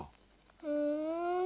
ふん。